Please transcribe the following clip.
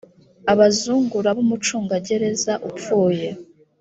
abazungura b umucungagereza upfuye